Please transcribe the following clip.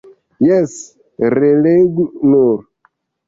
Jes, relegu nur!